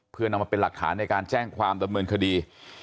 เพื่อนำมาเป็นหลักฐานในการแจ้งความดำเนินคดี